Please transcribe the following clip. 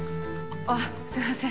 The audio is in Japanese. あっすいません。